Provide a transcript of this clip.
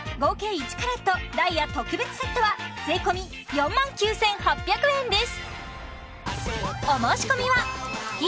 １ｃｔダイヤ特別セットは税込４万９８００円です